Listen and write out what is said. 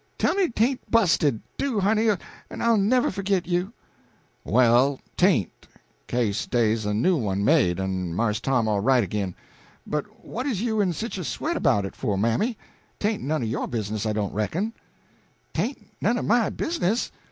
Tell me 'tain't bu'sted do, honey, en I'll never forgit you." "Well, 'tain't 'ca'se dey's a new one made, en Marse Tom's all right ag'in. But what is you in sich a sweat 'bout it for, mammy? 'Tain't none o' your business I don't reckon." "'Tain't none o' my business?